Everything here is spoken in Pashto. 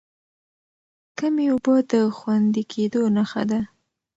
کمې اوبه د خوندي کېدو نښه ده.